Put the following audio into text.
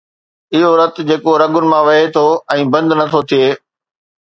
اهو رت جيڪو رڳن مان وهي ٿو ۽ بند نٿو ٿئي